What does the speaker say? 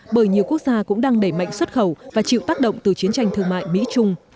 bởi nhiều quốc gia cũng đang đẩy mạnh xuất khẩu và chịu tác động từ chiến tranh thương mại mỹ trung